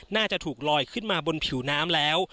น่าจะถูกลอยขึ้นมาบนผิวน้ำแล้ว